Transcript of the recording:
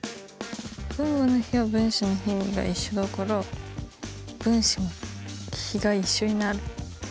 分母の比は分子の比が一緒だから分子も比が一緒になる。